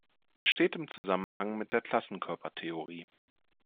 Er steht im Zusammenhang mit der Klassenkörpertheorie.